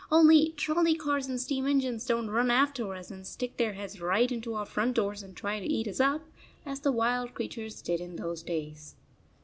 Only trolley cars and steam engines don t run after us and stick their heads right into our front doors and try to eat us up, as the wild creatures did in those days.